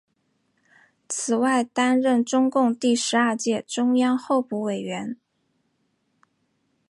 此外担任中共第十二届中央候补委员。